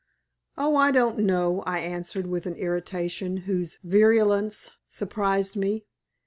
"Oh! I don't know," I answered, with an irritation whose virulence surprised me.